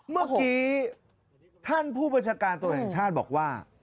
เมื่อกี้ท่านผู้บัญชาการตรวจแห่งชาติบอกว่า